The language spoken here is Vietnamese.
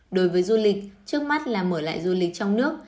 đối với du lịch trước mắt là mở lại du lịch trong nước